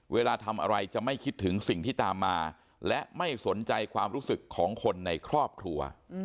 เวลาทำอะไรจะไม่คิดถึงสิ่งที่ตามมาและไม่สนใจความรู้สึกของคนในครอบครัว